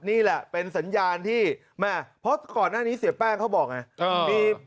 นี่แหละเป็นสัญญาณที่แม่เพราะก่อนหน้านี้เสียแป้งเขาบอกไง